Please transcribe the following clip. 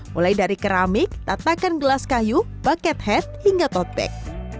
mulai dari keramik tatakan gelas kayu buckethead hingga tote bag